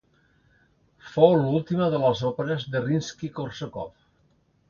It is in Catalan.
Fou l'última de les òperes de Rimski-Kórsakov.